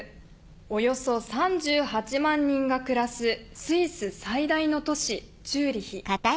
およそ３８万人が暮らすスイス最大の都市チューリヒ。